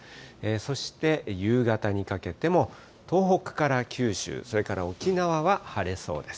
そして夕方にかけても、東北から九州、それから沖縄は晴れそうです。